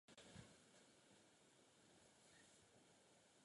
Tyto cíle se mění v historickém vývoji a tak i morálka je proměnlivá.